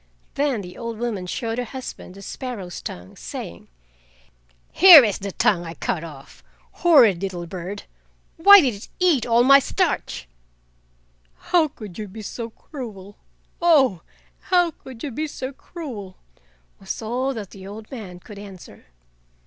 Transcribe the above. Then the old woman showed her husband the sparrow's tongue, saying: "Here is the tongue I cut off! Horrid little bird, why did it eat all my starch?" "How could you be so cruel? Oh! how could you so cruel?" was all that the old man could answer.